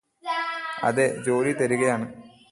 അതെ ജോലി തരുകയാണ്